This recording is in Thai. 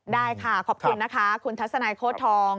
ได้ค่ะขอบคุณนะคะคุณทัศนายโค้ดทอง